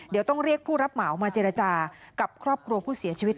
เดี๋ยวต้องเรียกผู้รับเหมามาเจรจากับครอบครัวผู้เสียชีวิต